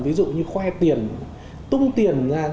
ví dụ như khoe tiền tung tiền ra